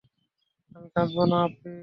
আমি কাঁদব না আপ্পি, কসম।